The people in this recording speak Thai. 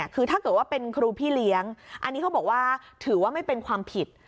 คือถ้าเกิดว่าเป็นครูพี่เลี้ยงอันนี้เขาบอกว่าถือว่าไม่เป็นความผิด